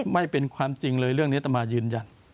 ไม่เป็นความจริงเลยเรื่องนี้ต่อมายืนยัน